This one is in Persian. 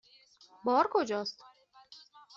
بار کجاست؟